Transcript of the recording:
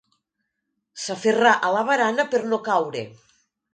S'aferrà a la barana per no caure.